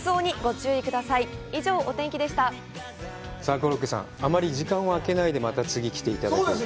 コロッケさん、あまり時間をあけないで次、来ていただいて。